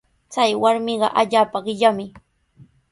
Chay warmiqa allaapa qillami.